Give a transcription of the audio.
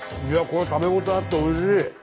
これ食べ応えあっておいしい。